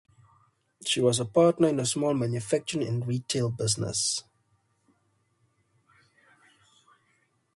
She was a partner in a small manufacturing and retail business.